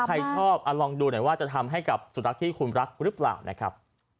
ใครชอบลองดูหน่อยว่าจะทำให้กับสุนัขที่คุณรักหรือเปล่านะครับ